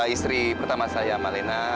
istri pertama saya malena